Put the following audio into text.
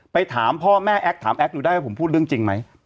ถามพ่อแม่แอ๊กถามแอคดูได้ว่าผมพูดเรื่องจริงไหม